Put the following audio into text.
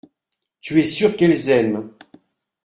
Tu es sûr qu’elles aiment.